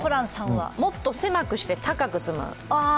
もっと狭くして高く積む。